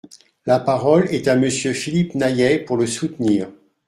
La parole est à Monsieur Philippe Naillet, pour le soutenir.